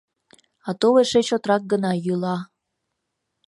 А тул эше чотрак гына йӱла.